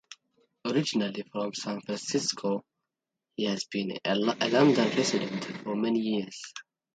Originally from San Francisco, he has been a London resident for many years.